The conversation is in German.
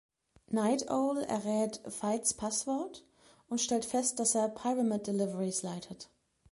Nite Owl errät Veidts Passwort und stellt fest, dass er Pyramid Deliveries leitet.